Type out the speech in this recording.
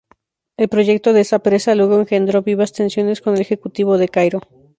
El proyecto de esa presa luego engendró vivas tensiones con el ejecutivo de Cairo.